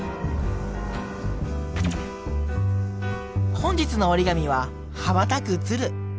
本日の折り紙は羽ばたく鶴。